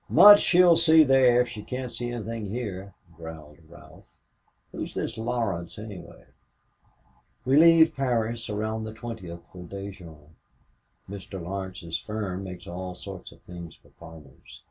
"Much she'll see there if she can't see anything here," growled Ralph. "Who is this Laurence anyway?" "We leave Paris around the 20th for Dijon. Mr. Laurence's firm makes all sorts of things for farmers.